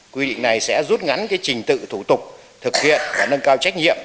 quy định này sẽ rút ngắn trình tự thủ tục thực hiện và nâng cao trách nhiệm